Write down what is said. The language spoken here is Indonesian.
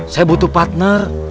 saya butuh partner